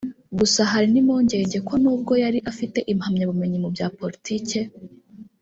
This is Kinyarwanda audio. Gusa hari n’impungenge ko nubwo yari afite impamyabumenyi mu bya politiki